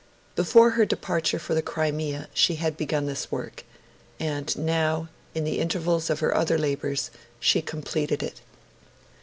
Before her departure for the Crimea, she had begun this work; and now, in the intervals of her other labours, she completed it.